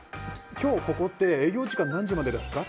今日ここって営業時間、何時までですか？